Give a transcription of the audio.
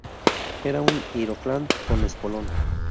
Era un Ironclad con espolón.